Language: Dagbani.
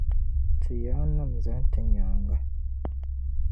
Ti yaanima zani ti nyaaŋa.